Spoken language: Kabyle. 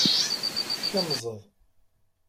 Tkemzeḍ.